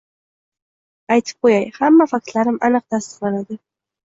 Aytib qo`yay, hamma faktlarim aniq tasdiqlanadi